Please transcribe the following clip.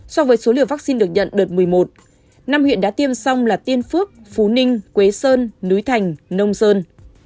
so với số liều vaccine được nhận đợt một mươi một năm huyện đã tiêm xong là tiên phước phú ninh quế sơn núi thành nông sơn